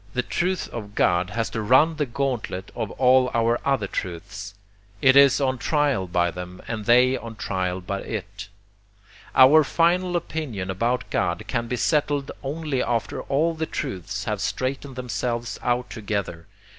The truth of 'God' has to run the gauntlet of all our other truths. It is on trial by them and they on trial by it. Our FINAL opinion about God can be settled only after all the truths have straightened themselves out together.